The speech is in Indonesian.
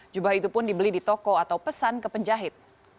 jubah itu pun dibeli di toko atau pesan ke penjahit